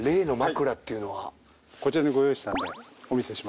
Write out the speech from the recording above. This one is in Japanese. こちらにご用意したのでお見せします。